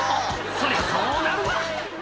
そりゃそうなるわ